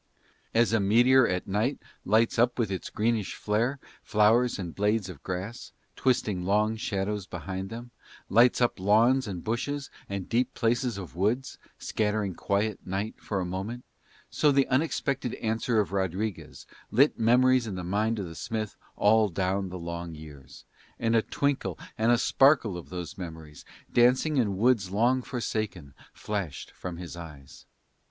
As a meteor at night lights up with its greenish glare flowers and blades of grass, twisting long shadows behind them, lights up lawns and bushes and the deep places of woods, scattering quiet night for a moment, so the unexpected answer of Rodriguez lit memories in the mind of the smith all down the long years; and a twinkle and a sparkle of those memories dancing in woods long forsaken flashed from his eyes.